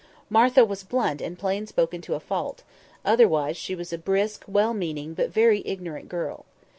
Martha was blunt and plain spoken to a fault; otherwise she was a brisk, well meaning, but very ignorant girl.